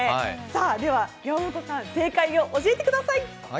では、山本さん、正解を教えてください。